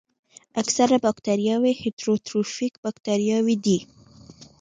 اکثره باکتریاوې هیټروټروفیک باکتریاوې دي.